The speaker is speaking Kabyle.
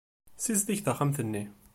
Ssizdeget taxxamt-nni!